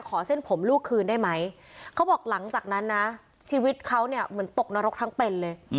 เส้นผมลูกคืนได้ไหมเขาบอกหลังจากนั้นนะชีวิตเขาเนี่ยเหมือนตกนรกทั้งเป็นเลย